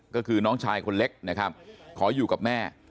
ก็คือน้องชายคนเล็กนะครับขออยู่กับแม่